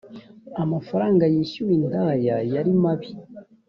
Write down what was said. amafaranga yishyuwe indaya yarimabi